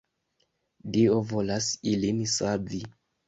Dio volas ilin savi.